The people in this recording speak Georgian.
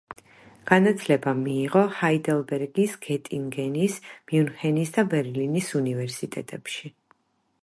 განათლება მიიღო ჰაიდელბერგის, გეტინგენის, მიუნჰენის და ბერლინის უნივერსიტეტებში.